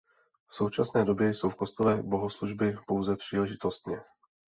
V současné době jsou v kostele bohoslužby pouze příležitostně.